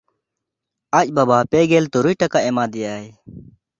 ᱟᱡ ᱵᱟᱵᱟ ᱯᱮᱜᱮᱞ ᱛᱩᱨᱩᱭ ᱴᱟᱠᱟ ᱮᱢᱟ ᱫᱮᱭᱟᱭ᱾